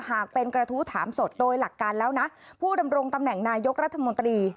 หากเป็นกระทู้ถามสดโดยหลักการแล้วนะผู้ดำรงตำแหน่งนายกรัฐมนตรี